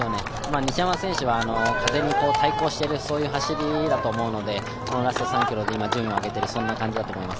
西山選手は風に対抗している走りだと思うのでラスト３ｋｍで順位を上げている感じだと思います。